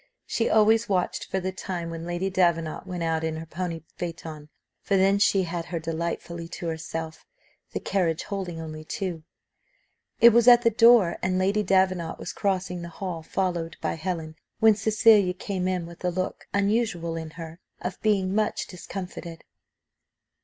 She always watched for the time when Lady Davenant went out in her pony phaeton, for then she had her delightfully to herself, the carriage holding only two. It was at the door, and Lady Davenant was crossing the hall followed by Helen, when Cecilia came in with a look, unusual in her, of being much discomfited.